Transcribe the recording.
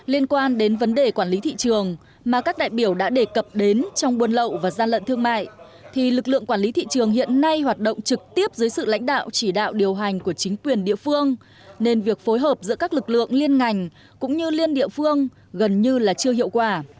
liên quan đến vấn đề quản lý thị trường mà các đại biểu đã đề cập đến trong buôn lậu và gian lận thương mại thì lực lượng quản lý thị trường hiện nay hoạt động trực tiếp dưới sự lãnh đạo chỉ đạo điều hành của chính quyền địa phương nên việc phối hợp giữa các lực lượng liên ngành cũng như liên địa phương gần như là chưa hiệu quả